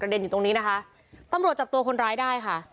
เด็นอยู่ตรงนี้นะคะตำรวจจับตัวคนร้ายได้ค่ะ